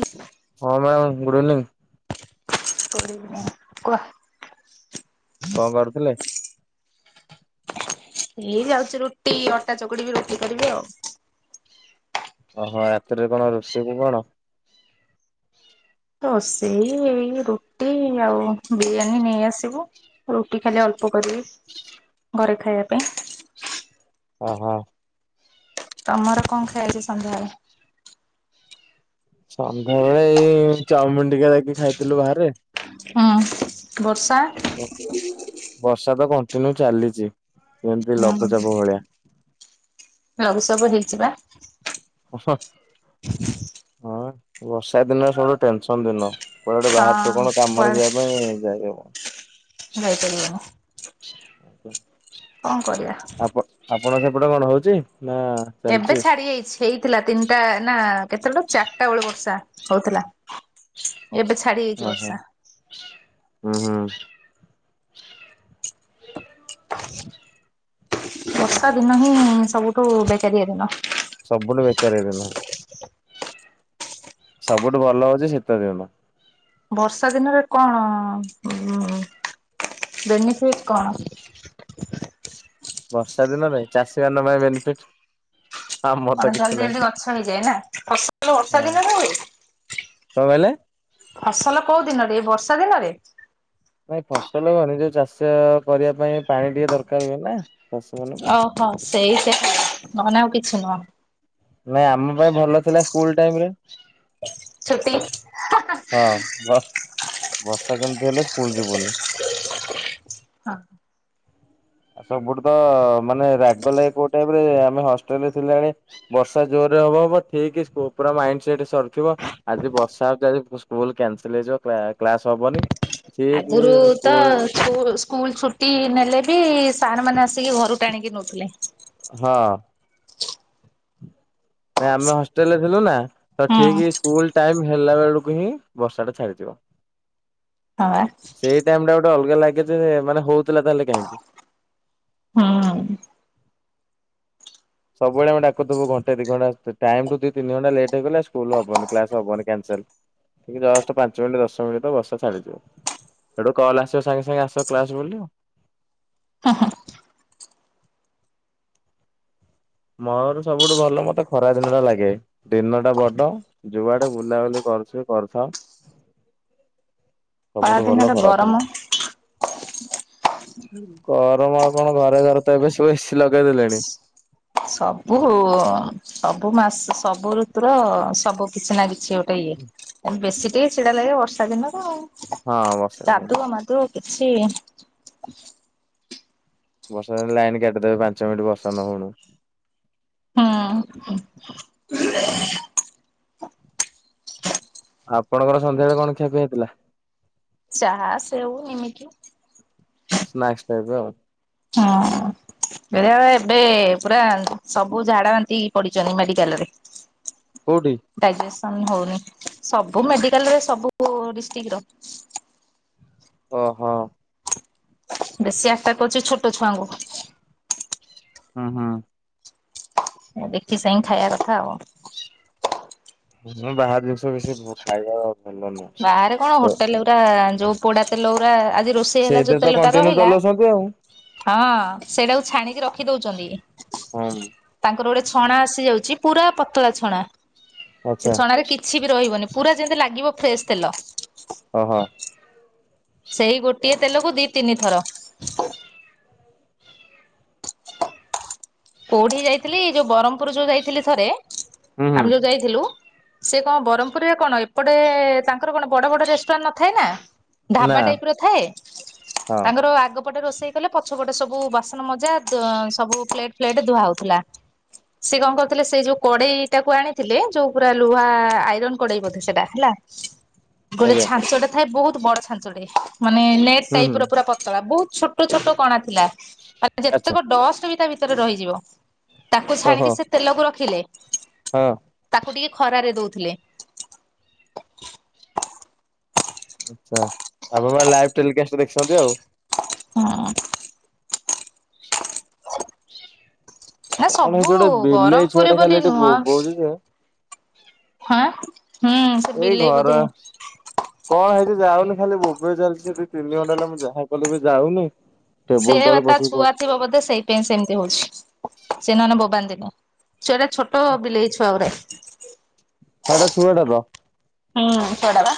ଆ ହଁ madam good evening କହ କଣ କରୁଥିଲେ ଇ ଯାଉଛି ରୁଟି ଅଟା ଚକୁଡି ବି ରୋଟି କରିବି ଆଉ ଓହୋ ରାତିରେ କଣ ରୋଷେଇକୁ କଣ ତ ସେଇ ଏଇ ରୁଟି ଆଉ ବିରିୟାନୀ ନେଇ ଆସିବୁ ରୁଟି ଖାଲି ଅଳ୍ପ କରିବି ଘରେ ଖାଇବା ପାଇଁ ଓ ହୋ ତମର କଣ ଖାଇଛି ସନ୍ଧ୍ୟାବେଳେ ସନ୍ଧ୍ୟା ବେଳେ ଏଇ ଚାଉମିନ ଟିକେ ଯାଇକି ଖାଇଥିଲୁ ବାହାରେ ହଁ ବର୍ଷା ବର୍ଷା ତ କଣ୍ଟିନ୍ୟୁ ଚାଲିଛି ଏମତି ଲଘୁଚାପ ଭଳିଆ। ଲଘୁସବ ହେଇଯିବା। ହଁ ବର୍ଷା ଦିନ ସବଠୁ ଟେନସନ ଦିନ। କୁଆଟେ ବାହାରୁଥିବ କଣ ହଁ କାମରେ ଯିବା ପାଇଁ ଯାଇ ଭାଇକଲ [inaudible] କଣ କରିବା? ଆପ ଆପଣ ସେପଟେ କଣ ହଉଛି ନା ଏବେ ଚାଲିଛି? ଛାଡି ଯାଇଛି ହେଇଥିଲା ତିନିଟା ନା କେତେବେଳେ ଚାରିଟା ବେଳୁ ବର୍ଷା। ହଉଥିଲା ଏବେ ଛାଡି ଯାଇଛି ଓହୋ ବର୍ଷା। ହୁଁ ହୁଁ [inaudible] ବର୍ଷା ଦିନ ହିଁ ସବୁଠୁ ବେକାରିଆ ଦିନ। ସବୁଠୁ ବେକାରାର ନ ସବୁଠୁ ଭଲ ହଉଛି ଶୀତ ଦିନ। ବର୍ଷା ଦିନରେ କଣ ବେନିଫିଟ କଣ? ବର୍ଷା ଦିନରେ ଚାଷୀ ମାନଙ୍କ ପାଇଁ ବେନିଫିଟ। ଆମର ତ ମାନେ କିଛି ଜଲଦି ନାହିଁ। ଜଲଦି ଗଛ ହେଇଯାଏ ନା ଫସଲ ବର୍ଷା ହଁ ଦିନରେ ହୁଏ। କଣ କହିଲେ? ଫସଲ କୋଉ ଦିନରେ ଏଇ ବର୍ଷା ଦିନରେ? ନାଇଁ ଫସଲ ହୁଏନି ଯୋଉ ଚାଷ କରିବା ପାଇଁ ପାଣି ଟିକେ ଦରକାର ହୁଏ ନା ଚାଷୀ ମାନଙ୍କୁ। ହଁ ସେଇ ସେ ହନ ଆଉ କିଛି ନୁହଁ। ନାଇଁ ଆମ ପାଇଁ ଭଲ ଥିଲା ସ୍କୁଲ ଟାଇମ ରେ। ଛୁଟି ହଁ ବର୍ଷା କେମିତି ହେଲେ ସ୍କୁଲ ଯିବୁନି। ହଁ। ଆଉ ସବୁଠୁ ତ ମାନେ ରାଗ ଲାଗେ କୋଉ ଟାଇପ ରେ ଆମେ ହଷ୍ଟେଲ ରେ ଥିଲାବେଳେ ବର୍ଷା ଜୋର ରେ ହବ ହବ ଠିକ ପୁରା ମାଇଣ୍ଡ ସେଟ ସରିଥିବ ଆଜି ବର୍ଷା ହଉଛି ସ୍କୁଲ କ୍ୟାନସଲ ହେଇଯିବ କ୍ଲାସ ହବନି। ଠିକ ଆଗରୁ ତ ସ୍କୁଲ ସ୍କୁଲ ସ୍କୁଲ ଛୁଟି ନେଲେ ବି ସାର୍ ମାନେ ଆସିକି ଘରୁ ଟାଣିକି ନେଉଥିଲେ। ହଁ ନ ଆମେ ହଷ୍ଟେଲ ରେ ଥିଲୁ ନା ତ ହୁଁ ଠିକ ସ୍କୁଲ ଟାଇମ ହେଲା ବେଳକୁ ହିଁ ବର୍ଷା ଟା ଛାଡିଯିବ। ହଁ ସେଇ ଟାଇମ ଟା ଗୋଟେ ଅଲଗା ଲାଗେ ଯେ ମାନେ ହଉଥିଲା ତାହେ କାହିଁକି। ହଁ ସବୁବେଳେଆମେ ଡାକୁଥବୁ ଘଟ ଦି ଘଣ୍ଟା ଟାଇମ ର ଦି ତିନିଣ୍ଟ ଲଟଇଗଲା ସ୍କୁଲ ହବନି କ୍ଲାସ୍ ହବନି କାନସେଲ। ଜଷ୍ଟ ପାଞ୍ଚ ମିନିଟ ଦଶ ମିନିଟ ବର୍ଷାଛାଲିଯିବ। ସେଠୁ କଲ ଆସ ସାଙ୍ଗେ ସାଙ୍ଗେ ଆସ କ୍ଲାସ ବୋଲି ଆଉ। ମୋର ସବୁଠୁ ଭଲ ମତେ ଖରା ଦିନ ଟା ଲାଗେ ଦିନ ଟା ବଡ ଯୁଆଡେ ବୁଲାବୁଲି କରୁଛ କରିଥାଉ। ଖରା ସବୁଠୁ ଭଲ ଦିନରେ ଗରମ ଖରାଥିଲା। ଗର ମା କଣ ଘରେ ଘରେ ତ ଏବେ ସବୁ ଏସିି ଲଗେଇ ଦେଲେଣି। ସବୁ ସବୁ ମାସ ସବୁ ଋତୁର ସବୁ କିଛି ନା କିଛି ଗୋଟେ ଇଏ ଏ ବେଶୀ ଟିକେ ଛିଡା ଲାଗେ ବର୍ଷା ଦିନ ତ ଆଉ। ହଁ ବର୍ଷା ଦିନ ଟା ଯାଦୁ ମାଦୁ କିଛି ବର୍ଷ ଲାଇନ୍ କାଟେଦବେ ପାଞ୍ଚ ମିନିଟ ବର୍ଷ ନ ହଉୁଣୁ। ହଁ ଆପଣଙ୍କର ସନ୍ଧ୍ୟାବେଳେ କଣ ଖଆପିଆ ହେଇଥିଲା। ଚାହା ସେଉ ଏମିତି ସ୍ନାକ୍ସ ଟାଇପର ଆଉ। ହଁ। ଭଆ ଏବେ ପୁରା ସବୁ ଝାଡା ବାନ୍ତି ପଡିଛନ୍ତି ମେଡିକାଲ ରେ [inaudible] ଡାଇଜେସନ ହଉନି ସବୁ ମେଡିକାଲରେ ସବୁ ଡିଷ୍ଟ୍ରିକଟର ଓହୋ। ବେଶୀ ଆଟାକ୍ କରୁଛି ଛୋଟ ଛୁଆଙ୍କୁ ହୁଁ ହୁଁ। ଦେଖି [unintelligible] ଖାଇବା କଥା ଆଉ। ହଁ ବାହାର ଜିନଷ ବେଶି ଖାଇବା ଭଲ ନୁ। ବାହାରେ କଣ ହୋଟେଲ ଗୁରା ଯୋଉ ପୋଡା ତେଲ ଗୁରା ଆଜି ରୋଷେଇ ହେଲା ସେଇଥିରେ ଯୋଉ ତ ତେଲ ଟା କଣ୍ଟିନ୍ୟୁ ରହିଲା [unintelligible] ହଁ ସେଇଟାକୁ ଛାଣିକି ରଖି ଦଉଛନ୍ତି। ତାଙ୍କର ଗୋଟେ ଛଣା ଆସି ଯାଉଛି ପୁରା ପତଳା ଛଣା ଆଚ୍ଛା ସେ ଛଣା ରେ କିଛି ରହିବନି ପୁରା ଯେମିତି ଲାଗିବ ଫ୍ରେସ ତେଲ। ଓହୋ। ସେଇ ଗୋଟିଏ ତେଲକୁ ଦି ତିନି ଥର କୋଉଠିକି ଯାଇଥିଲି ଯୋଉ ବ୍ରହ୍ମପୁର ଯୋଉ ଯାଇଥିଲି ଥରେ ହୁଁ ହୁଁ। ଆମେ ଯୋଉ ଯାଇଥିଲୁ ସେ କଣ ବ୍ରହ୍ମପୁରରେ କଣ ଏପଟେ ତାଙ୍କର କଣ ବଡ ବଡ ରେଷ୍ଟୁରାଣ୍ଟ ନଥାଏ ନା ନା ଢାବା ଟାଇପ ର ଥାଏ ହଁ ତାଙ୍କର ଆଗପଟେ ରୋଷେଇ କଲେ ପଛ ପଟେ ସବୁ ବ ମଜା ସବୁ ପ୍ଲେଟ ଫ୍ଲେଟ୍ ଧୁଆ ହଉଥିଲା। ସେ କଣ କରଥିଲେ ସେ ଯୋଉ କଡେଇ ଟାକୁ ଆଣିଥିଲେ ଯୋଉ ପୁରା ଲୁହା ଆଇରନ କଡେଇ ବୋଧେ ସେଟା ହେଲା ଗୋଟେ ଆଜ୍ଞା ଛାଞ୍ଚଟା ଥାଏ ବହୁତ ବଡ ଛାଞ୍ଚଟେ ମାନେ ନେଟ ହୁଁ ହୁଁ ଟାଇପ ର ପୁରା ବହୁତ ଛୋଟ ଛୋଟ କଣା ଥିଲା ମାନେ ଆଚ୍ଛା ଯେତେକ ଡଷ୍ଟ ବି ତା ଭିତରେ ରହିଯିବ। ତାକୁ ଓହୋ ଛାଣିକି ସେ ତେଲକୁ ରଖିଲେ ହଁ ତାକୁ ଟିକେ ଖରାରେ ଦଉଥିଲେ। ଆଛା ଆପଣମାନେ ଲାଇଭ ଟେଲିକାଷ୍ଟ ରେ ଦେଖିଛନ୍ତି ଆଉ। ହଁ। ନା କଣ ହେଇଚି ସବୁ ଯୋଟେ ବିଲେଇ ଛୁଆ ବ୍ରହ୍ମପୁର ଟା ବୋଲି ଖାଲି ଏଠି ନୁହଁ ବୋବଉଚି ଯେ ହଁ ହୁଁ ସେ ଏଇ ବିଲେଇ ଘର ବୋଧେ କଣ ହେଇଚି ଯାଉନି ଖାଲି ବୋବେ ଚାଲିଛି ଦି ତିନି ଘଣ୍ଟା ହେଲେ ମୁଁ ଯାହା କଲେ ବି ଯାଉନି। ସେ ଟେବୁଲ ତଳେ ତା ବସିକି ହଁ ଛୁଆ ଥିବ ବୋଧେ ସେଇ ପାଇଁ ସେମିତି ହଉଛି ସେ ନହେଲେ ବୋବାନ୍ତିିନି। ଛୁଆଟା ଛୋଟ ବିଲେଇ ଛୁଆ ଗୁରାକ। ହଁଟା ଛୁଆଟା ତ। ହୁଁ ଛୁଆ ଟା ପା।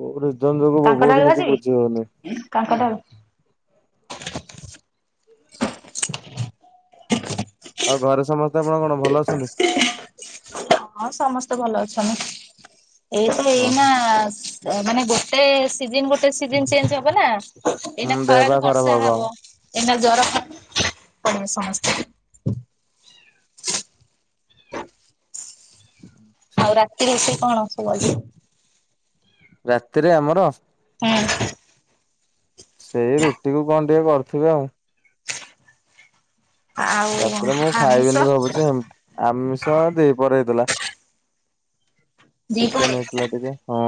କୋଉ କାଙ୍କଡାଳୁ [inaudible] କିଛି ଭାଜିବି ବୁଝି ହଉନି। [inaudible] ଆଉ ଘରେ ସମସ୍ତେ [inaudible] ହଁ ସମସ୍ତେ ଭଲ ଅଛନ୍ତି। ଏଇତ ହଁ ଏଇନା ମାନେ ଗୋଟେ ସିଜନ ଗୋଟେ ସିଜନ ଚେଞ୍ଜ ହବ ନା ଏଇନା ହୁଁ ଦେହ ପା ଖରାରୁ ଖରାପ ବର୍ଷା ଆଉ। ହବ ଏଇନା ଜର ହବ ସମସ୍ତେ। [inaudible] ଆଉ ରାତିରେ ସେ କଣ ସବୁ ରାତିରେ ଆମର ହୁଁ। ସେଇ ରୁଟି କୁ କଣ ଟିକେ କରୁଥିବେ ଆଉ ଆଉ ରାତିରେ ମୁଁ ଆମିଷ ଖାଇବିନି ଭାବୁଛି ଆମିଷ ଦିପହରେ ହେଇଥିଲା। ଦିପହରେ ଚିକେନ ହେଇଥିଲା ଟିକେ ହଁ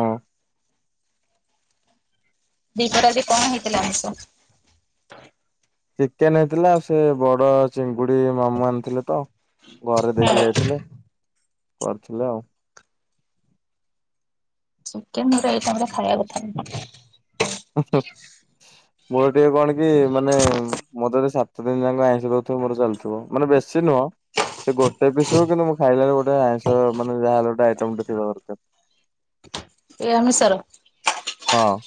ଦୀପରାଜି କଣ ହେଇଥିଲା ଆମଷ ଚିକେନ ହେଇଥିଲା ସେ ବଡ ଚିଙ୍ଗୁଡ଼ି ମାମୁ ଆଣିଥିଲେ ତ ଘରେ ଦେଇକି ଯାଇଥିଲେ କରିଥିଲେ ଆଉ ଚିକେନ ଗୋଟେଇଟ ଖାଇବା କଥାଁ ମୋର ଟିକେ କଣ କି ମାନେ ମୋର ଯଦି ସାତ ଦିନ ଯାକ ଆଇଁଷ ଦଉଥିବ ମୋର ଚାଲିଥିବ ମାନେ ବେଶୀ ନୁହଁ ସେ ଗୋଟେ ପିସିବ କିନ୍ତୁ ମୁଁ ଖାଇଲା ବ ଗୋଟେଇଁ ମାନେ ଯାହାେଲେ ଗଟେ ଆଇଟମ ଗେ ଥିଲା ଦରକାର ଏଇ ଅନୁସାର ହଁ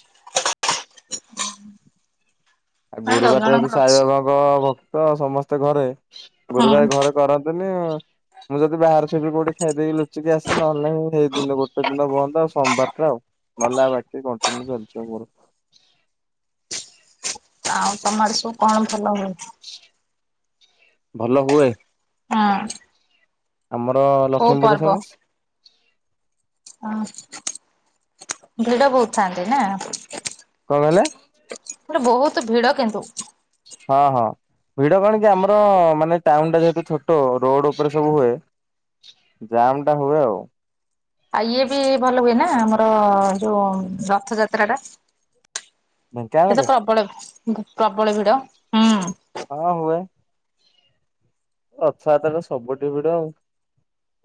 ଆଉ ମାନେ ଗୁରୁ ବାଟକୁ ଜଗଣଙ୍କର ଅଛି। ସାଇବା ବା ଭକ୍ତ ସମସ୍ତେ ଘରେ ହୁଁ ଗୁରୁବାର ଘରେ କରନ୍ତିନି ମୁଁ ଯଦି ବା ପଛେ ବି କୋଉଠି ଖାଇ ଦେଇେଇକିୁଚିସେ ନହେଲେି ସେଇ ଦିନ ଗୋଟେ ଦିନ ବନ୍ଦ ଆଉ ସୋମବ ଆଉ ନହେ ଆ ବା କଣ୍ନ୍ୟୁ କରିଛି ଆମର ଆଉ ତମଆଡେ ସବୁ କଣ ଭଲ ହୁଏ? ଭଲ ହୁଏ ହଁ ଆମର କୋଉ ଲକ୍ଷ୍ମୀ ପୂଜା ଫେମସ ହ ଭିଡ ବହୁତ ଥାନ୍ତି ନା କଣ କହିଲେ ସେଟ ବହୁତ ଭିଡ କିନ୍ତୁ ହଁ ହଁ ଭିଡ କଣ କି ଆମର ମାନେ ଟାଉନ ଟା ଯେହେତୁ ଛୋଟ ରୋଡ ଉପରେ ସବୁ ହୁଏ ଜମ୍ ଟା ହୁଏ ଆଉ ଆଉ ଇଏ ବି ଭଲ ହୁଏ ନା ଆମର ଯୋଉ ରଥ ଯାତ୍ରା ଟା ସେ ତ ଢେଙ୍କାନାଳରେ ପ୍ରବଳ ପ୍ରବଳ ଭିଡ ହୁଁ ହଁ ହୁଏ ଅଛାତଟା ସବୁଠେ ଭିଡ ଆଉ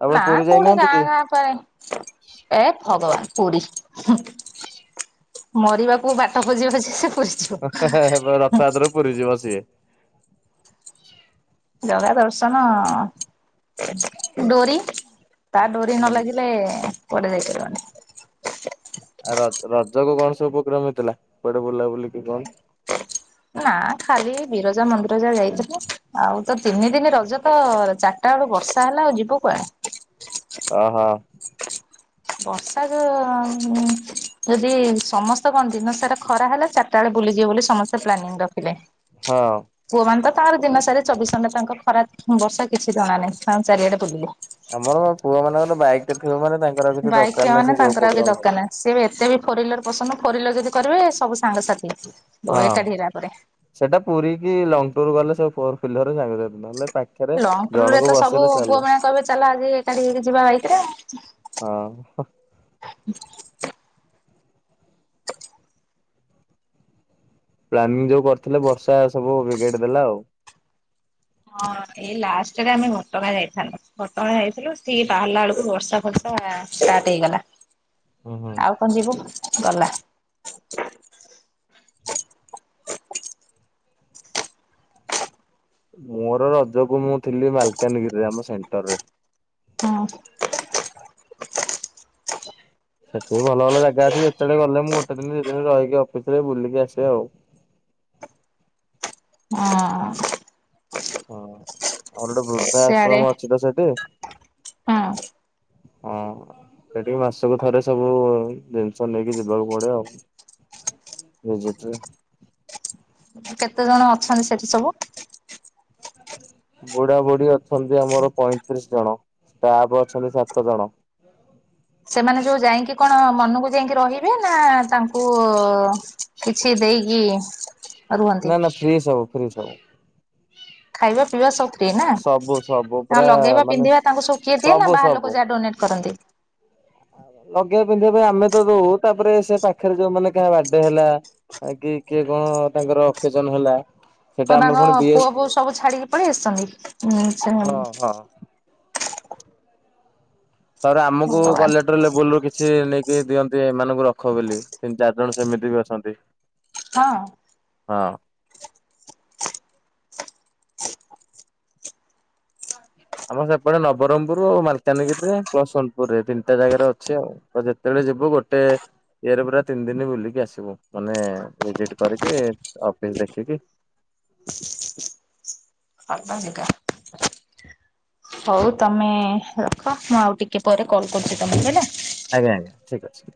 ଆପଣ ନା ପୁରୀ କୋଉଠି ଯାଇନାହାନ୍ତି କି ଗାଁ ଗାଁ ପରେରେ ଏ ଭଗବାନ ପୁରୀ ହ ମରିବାକୁ ବାଟ ପୋଜିବାଷ ପ ରଥଯାତ୍ର ପୁରୀ ଯିବ ସିଏ ଜଗା ଦର୍ଶନ ଡୋରି ତା ଡୋରି ନ ଲାଗିଲେ ପରେଆଡେ ଯାଇପାରିବନି ଆଉ ର ରଜ କ କଣ ସବୁ ପକ ମିଥିଲା କୁଆଡେ ବୁଲା ବୁଲିିକି କଣ ନା ଖାଲି ବିରଜା ମନ୍ଦିର ଯା ଯାଇଥିଲି ଆଉ ତ ତିନି ଦିନି ରଜ ତ ଚାରିଟା ବେଳ ବର୍ଷା ହେଲା ଆଉ ଯିବୁ କୁଆ ଓହୋ ବର୍ଷା ଯଦି ସମସ୍ତ କଣ ଦିନ ସେଟା ଖରା ହେଲାାରି ସେତେଳେ ବୁଲିଯିବ ବୋଲି ସମସ୍ତେ ପ୍ାନିଂ ରଖିଲେ ହଁ ପୁଅ ମାନେ ତ ତାଙ୍କର ଦିନ ସାର ଚବିଶ ଘଣ୍ଟା ତାଙ୍କ ଖରା ବର୍ଷା କିଛି ଜଣା ନାହିଁ ତା ଚାରିଆଡେ ବୁଲିଲେ ଆମର ପୁଅ ମାନଙ୍କର ବାଇକ ଟେ ଥିବ ମାନେ ତାଙ୍କର କିଛି ବାଇକ୍ ଦରକାର ଥିବା ନାହିଁ ମାନେ ସେ ଯୋଉ ତାଙ୍କର ଆଉ କିଛି ଉପୋଗ୍ରାମ ହ ଦରକାର ନାହିଁ ସିଏ ବି ଏତେ ବି ଫୋର ହିଲର ପସନ୍ଦ ଫୋର ହୱିଲର ଯଦି କରିବେ ସବୁ ସାଙ୍ଗସାଥି ଏକା ଢିରା ପରେରେ ସେଇଟା ପୁରୀ କି ଲଙ୍ଗ ଟୁର୍ ଗଲେ ସ ଫୋର ଫିଲର ଜାାରହେଲେ ଲଙ୍ଗ ଟୁର ରେ ତ ସବୁ ପୁଅ ମେ କହିବେ ଚାଲା ଆଜି ଏକାଠି ହେକି ଯିବା ଭାଇକରେ ହଁ ହୁଁ ପ୍ଲାନିଂ ଯୋଉ କରିଥିଲେ ବର୍ଷା ସବୁ ବଗଟ ଦେଲା ଆଉ ହଁ ଏଇ ଲାଷ୍ଟରେ ଆମେ ଘଟଗଁ ଯାଇଥାଥିଲୁ ଘଟଗାଁ ଯାଇଥିଲୁ ସେଠ ବାହାରିଲା ବେଳକୁ ବର୍ଷା ଫ ତା ଠିକ ଗଲା ହୁ ହୋ ଯିବୁ ଗଲା ମୋର ରଜକୁ ମୁଁ ଥିଲି ମାଲକାନଗିରିରେ ଆମ ସେଣ୍ଟରରେ। ହଁ। ଆ [inaudible] ସେଠି ବି ଭଲ ଭଲ ଜାଗା ଅଛି ଯେତେବେଳେ ଗଲେ ମୁଁ ଗୋଟେ ଦିନ ଦି ଦିନ ରହିକି ଅଫିସରେ ବୁଲିକି ଆସେ ଆଉ। ହଁ। ହଁ ଆମର ଗୋଟେ ବୃଦ୍ଧା ସିଆଡେ ଆଶ୍ରମ ଅଛି ତ ସେଇଠି ହଁ। ହଁ ସେଠିକି ମାସକୁ ଥରେ ସବୁ ଜିନିଷ ନେଇକି ଯିବାକୁ ପଡେ ଆଉ [unintelligible] କେତେ ଜଣ ଅଛନ୍ତି ସେଠି ସବୁ? [unintelligible] ବୁଢା ବୁଢୀ ଅଛନ୍ତି ଆମର ପଇଁତିରିଶ ଜଣ ଷ୍ଟାଫ ଅଛନ୍ତି ସାତ ଜଣ ସେମାନେ ଯୋଉ ଯାଇକି କଣ ମନକୁ ଯାଇକି ରହିବେ ନା ତାଙ୍କୁ କିଛି ଦେଇକି ରୁହନ୍ତି ନା ନା ଫ୍ରି ସବୁ ଫ୍ରି ସବୁ। ଖାଇବା ପିଇବା ସବୁ ନା ସବୁ ସବୁ ନା ପୁରା ଲଗେଇବା ମାନେ ପିନ୍ଧିବା ତାଙ୍କୁ ସବୁ କିିଏ ଦିଏ ନା ବାହାର ଲୋକ ଯାହା ଡୋନେଟ୍ କରନ୍ତି। ଲଗେଇବା ପିନ୍ଧିବା ପାଇଁ ଆମେ ତ ଦଉ ତାପରେ ସେ ପାଖରେ ଯୋଉ ମାନେ କାହା ବାର୍ଡେ ହେଲା ଆ କି କିଏ କଣ ତାଙ୍କର ଅକେଜନ ହେଲା ସେଟା ତ ଆମର ତାଙ୍କ ପୁଣି ବି ପୁଅ ପୁଅ ସବୁ ଛାଡିକି ପଳେଇ ଆସିଛନ୍ତି ସେ ହଁ ହଁ। ତାପରେ ଆମକୁ ଭଗବାନ କଲେକ୍ଟର ଲେବୁଲରୁ କିଛି ନେଇକି ଦିଅନ୍ତି ଏମାନଙ୍କୁ ରଖ ବୋଲି ତିନି ଚାରି ଜଣ ସେମିତି ବି ଅଛନ୍ତି। ହଁ। ହଁ। ହଁ କିଏ ଆମର ସେପଟେ ନବରଙ୍ଗପୁର ମାଲକାନଗିରିରେ ସୋନପୁରରେ ତିନିଟା ଜାଗାରେ ଅଛି ଆଉ। ତ ଯେତେବେଳେ ଯିବୁ ଗୋଟେ ଇରେ ପୁରା ତିନି ଦିନ ବୁଲିକି ଆସିବୁ ମାନେ ଭିଜିଟ କରିକି ଅଫିସ ଦେଖିକି [unintelligible] ହଉ ତମେ ରଖ ମୁଁ ଆଉ ଟିକେ ପରେ କଲ୍ କରୁଛି ତମକୁ ହେଲା। ଆଜ୍ଞା ଆଜ୍ଞା ଠିକ୍ ଅଛି।